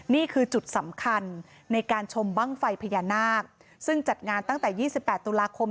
นี่คือจุดสำคัญในการชมบ้างไฟพญานาคซึ่งจัดงานตั้งแต่๒๘ตุลาคม